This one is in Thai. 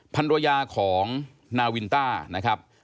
พันธุระยาของนาวินต้านะครับ